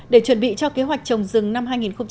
để chuẩn bị cho kế hoạch trồng rừng năm hai nghìn một mươi tám